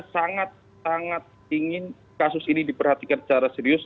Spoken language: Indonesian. sangat sangat ingin kasus ini diperhatikan secara serius